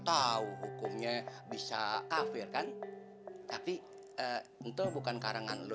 tahu hukumnya bisa kafir kan tapi tentu bukan karangan lo